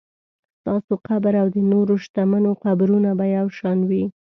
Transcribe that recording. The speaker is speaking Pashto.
ستاسو قبر او د نورو شتمنو قبرونه به یو شان وي.